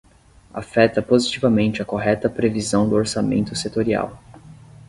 Afeta positivamente a correta previsão do orçamento setorial.